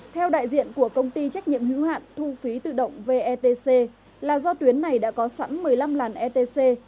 theo đại diện của công ty trách nhiệm hữu hạn thu phí tự động vetc là do tuyến này đã có sẵn một mươi năm làn etc